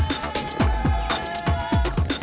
apa kita gedori ke kali ya